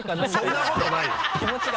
そんなことない！